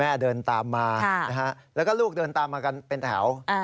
แม่เดินตามมาค่ะนะฮะแล้วก็ลูกเดินตามมากันเป็นแถวอ่า